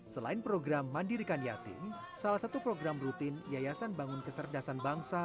selain program mandirkan yating salah satu program rutin yayasan bangun keserdasan bangsa